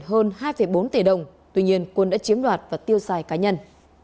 quân đã đưa tiền hơn hai bốn tỷ đồng tuy nhiên quân đã chiếm đoạt và tiêu xài cá nhân